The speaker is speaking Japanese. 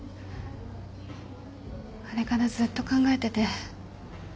あれからずっと考えてて。